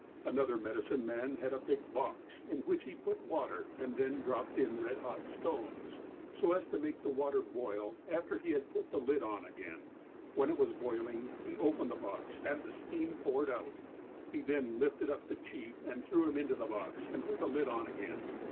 Another medicine man had a big box, in which he put water, and then dropped in red hot stones, so as to make the water boil, after he had put the lid on again. When it was boiling, he opened the box and the steam poured out. He then lifted up the chief, and threw him into the box, and put the lid on again.